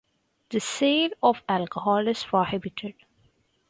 The sale of alcohol is prohibited.